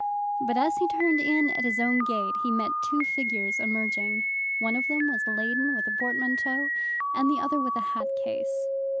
But as he turned in at his own gate he met two figures emerging; one of them was laden with a portmanteau, and the other with a hat case.